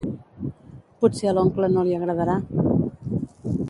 Potser a l'oncle no li agradarà.